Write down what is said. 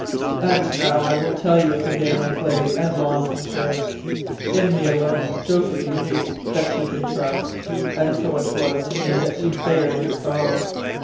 "And now, I will tell you of the game I played, and lost, M'sieur. In me alone Josephine knew that she could trust, and so it was to me that she bared her sorrow.